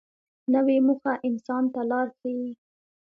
نوې موخه انسان ته لار ښیي